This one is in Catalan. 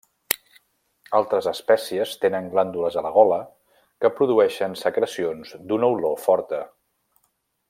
Altres espècies tenen glàndules a la gola que produeixen secrecions d'una olor forta.